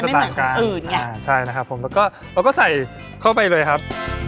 แล้วก็ใส่เข้าไปเลยครับ